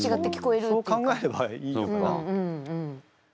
そう考えればいいのか。